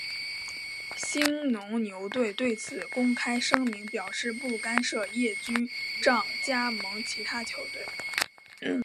兴农牛队对此公开声明表示不干涉叶君璋加盟其他球队。